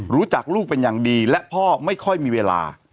ลูกเป็นอย่างดีและพ่อไม่ค่อยมีเวลา